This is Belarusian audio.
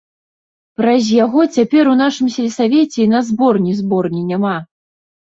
Праз яго цяпер у нашым сельсавеце і на зборні зборні няма.